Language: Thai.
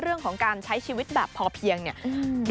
เรื่องของการใช้ชีวิตแบบพอเพียงเนี่ย